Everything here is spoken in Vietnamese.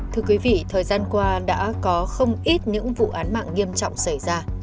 thưa quý vị thời gian qua đã có không ít những vụ án mạng nghiêm trọng xảy ra